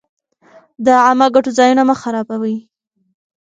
د عامه ګټو ځایونه مه خرابوئ.